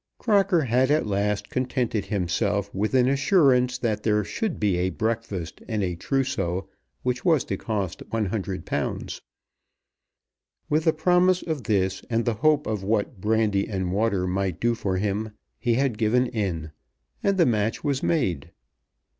Crocker had at last contented himself with an assurance that there should be a breakfast and a trousseau which was to cost £100. With the promise of this and the hope of what brandy and water might do for him, he had given in, and the match was made.